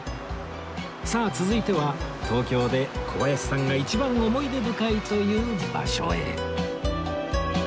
さあ続いては東京で小林さんが一番思い出深いという場所へ